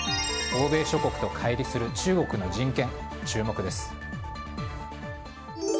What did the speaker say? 欧米諸国と乖離する中国の人権注目です。